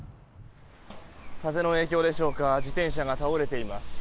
風の影響でしょうか自転車が倒れています。